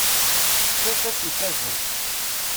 S ssifa-s ifazen.